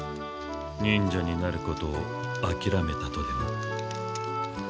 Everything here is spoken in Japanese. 忍者になることをあきらめたとでも？